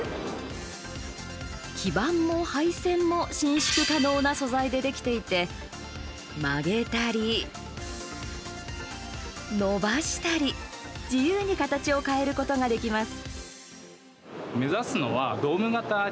基板も配線も伸縮可能な素材でできていて曲げたり伸ばしたり自由に形を変えることができます。